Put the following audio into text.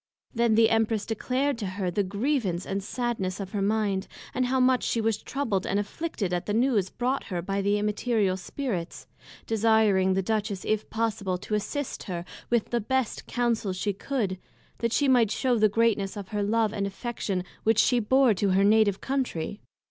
Then the Empress declared to her the grievance and sadness of her mind, and how much she was troubled and afflicted at the News brought her by the Immaterial Spirits, desiring the Duchess, if possible, to assist her with the best Counsels she could, that she might shew the greatness of her love and affection which she bore to her Native Countrey.